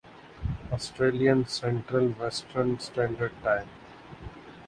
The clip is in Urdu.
Australian central western standard time